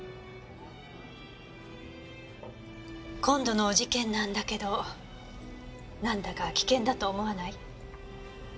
今度の事件なんだけどなんだか危険だと思わない？